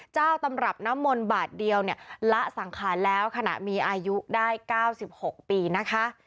ตำรับน้ำมนต์บาทเดียวเนี่ยละสังขารแล้วขณะมีอายุได้๙๖ปีนะคะ